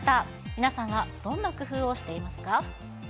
皆さんはどんな工夫をしていますか？